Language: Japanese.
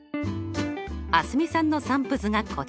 蒼澄さんの散布図がこちら。